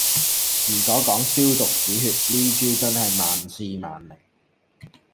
如果講消毒止血，呢招真係萬試萬靈